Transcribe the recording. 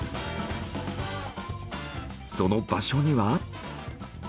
その場所には。